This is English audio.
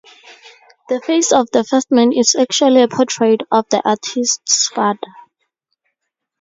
The face of the first man is actually a portrait of the artist's father.